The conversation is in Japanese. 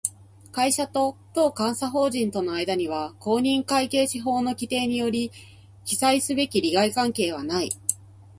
会社と当監査法人との間には、公認会計士法の規定により記載すべき利害関係はない